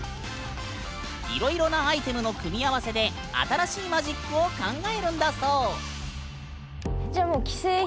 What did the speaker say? いろいろなアイテムの組み合わせで新しいマジックを考えるんだそう。